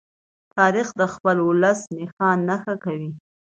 تاریخ د خپل ولس نښان نښه کوي.